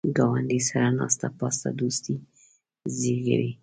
ګاونډي سره ناسته پاسته دوستي زیږوي